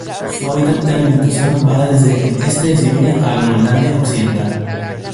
Su hábitat de alimentación va desde el este de Siberia a Groenlandia occidental.